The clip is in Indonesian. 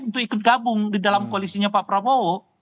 untuk ikut gabung di dalam koalisinya pak prabowo